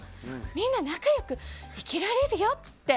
みんな仲良く生きられるよって。